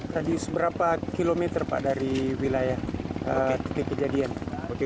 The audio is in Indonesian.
tadi seberapa kilometer pak dari wilayah titik kejadian